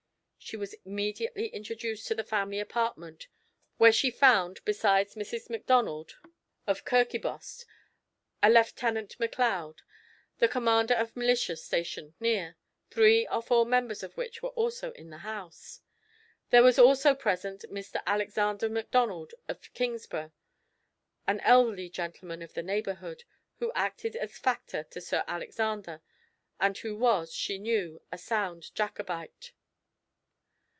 She was immediately introduced to the family apartment, where she found, besides Mrs. Macdonald of Kirkibost, a Lieutenant Macleod, the commander of militia stationed near, three or four members of which were also in the house. There was also present, Mr. Alexander Macdonald of Kingsburgh, an elderly gentleman of the neighbourhood, who acted as factor to Sir Alexander, and who was, she knew, a sound Jacobite.